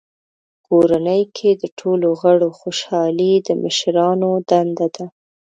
په کورنۍ کې د ټولو غړو خوشحالي د مشرانو دنده ده.